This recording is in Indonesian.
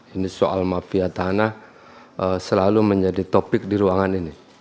ini soal mafia tanah selalu menjadi topik di ruangan ini